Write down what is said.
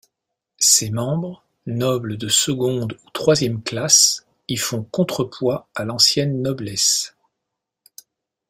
Ses membres, nobles de seconde ou troisième classe y font contrepoids à l'ancienne noblesse.